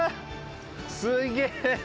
すげえ。